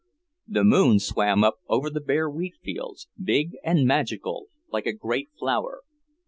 The moon swam up over the bare wheat fields, big and magical, like a great flower.